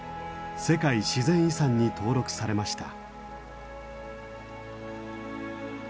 世界自然遺産に登録されました。